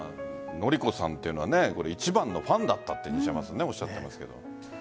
典子さんというのは一番のファンだったとおっしゃってますけど。